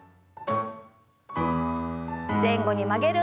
前後に曲げる運動です。